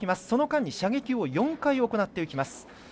その間に射撃を４回行っていきます。